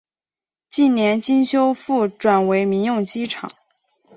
近年经修复转为民用机场。